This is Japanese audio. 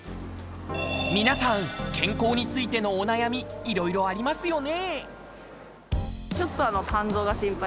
みなさん、健康についてのお悩み、いろいろありますよね。